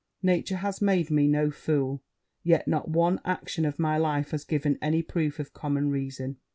Nature has made me no fool; yet not one action of my life has given any proof of common reason.